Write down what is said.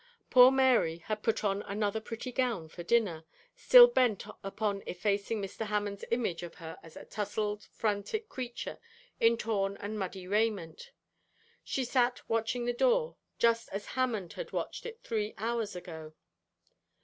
Poor Mary had put on another pretty gown for dinner, still bent upon effacing Mr. Hammond's image of her as a tousled, frantic creature in torn and muddy raiment. She sat watching the door, just as Hammond had watched it three hours ago.